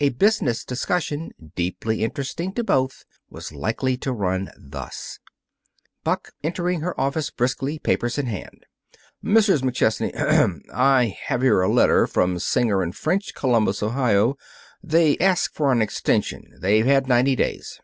A business discussion, deeply interesting to both, was likely to run thus: Buck, entering her office briskly, papers in hand: "Mrs. McChesney ahem! I have here a letter from Singer & French, Columbus, Ohio. They ask for an extension. They've had ninety days."